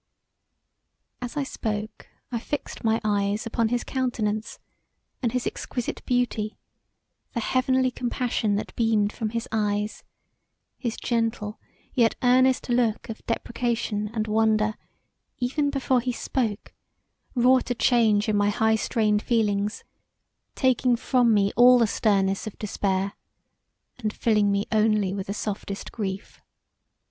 As I spoke I fixed my eyes upon his countenance, and his exquisite beauty, the heavenly compassion that beamed from his eyes, his gentle yet earnest look of deprecation and wonder even before he spoke wrought a change in my high strained feelings taking from me all the sterness of despair and filling me only with the softest grief.